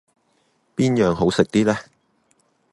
邊樣好食啲呢？